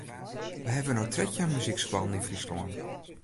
We hawwe no trettjin muzykskoallen yn Fryslân.